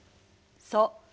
そう。